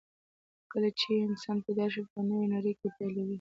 کله چې انسان پیدا شي، په نوې نړۍ کې ژوند پیلوي.